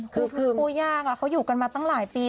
คือคู่ย่างเขาอยู่กันมาตั้งหลายปี